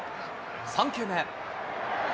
３球目。